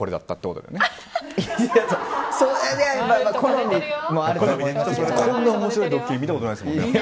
こんな面白いドッキリ見たことないです。